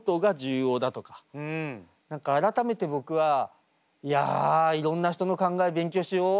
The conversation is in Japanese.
何か改めて僕は「いやいろんな人の考え勉強しよう。